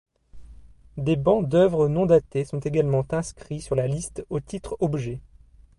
Des bancs d'œuvre non datés sont également inscrits sur la liste au titre objet.